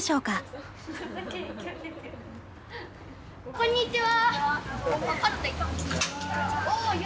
こんにちは。